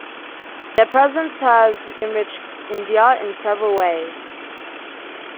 Their presence has enriched India in several ways.